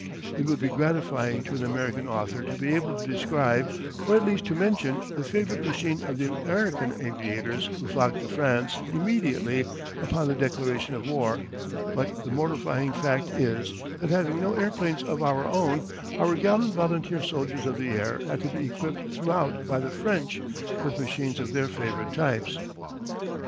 It would be gratifying to an American author to be able to describe, or at least to mention, the favourite machine of the American aviators who flocked to France immediately upon the declaration of war, but the mortifying fact is that having no airplanes of our own, our gallant volunteer soldiers of the air had to be equipped throughout by the French with machines of their favourite types.